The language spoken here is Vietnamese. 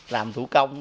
làm thủ công